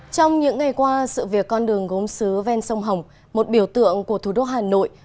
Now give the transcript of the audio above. trong những ngày qua sự việc con đường gốm xứ ven sông hồng một biểu tượng của thủ đô hà nội